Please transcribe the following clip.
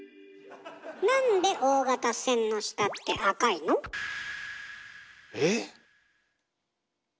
なんで大型船の下って赤いの？え？